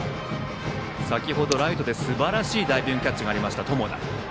先程ライトですばらしいダイビングキャッチがあった友田。